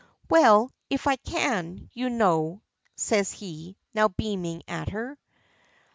"Well, if I can, you know," says he, now beaming at her.